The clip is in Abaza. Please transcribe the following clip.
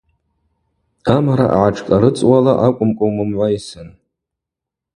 Амара агӏатшкӏарыцӏуала акӏвымкӏва умымгӏвайсын.